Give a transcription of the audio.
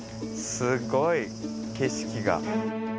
すごい景色が。